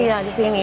iya di sini